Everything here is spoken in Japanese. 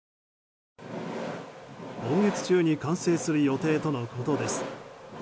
今月中に完成する予定とのことです。